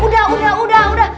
udah dong udah udah udah udah